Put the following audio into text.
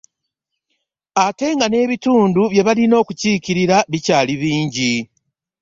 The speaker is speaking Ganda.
Ate nga n'ebitundu bye balina okukiikirira bikyali bingi.